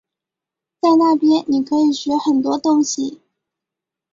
在那边你可以学很多东西